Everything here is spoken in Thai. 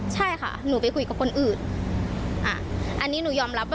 ใช่ค่ะหนูไปคุยกับคนอื่นอันนี้หนูยอมรับว่า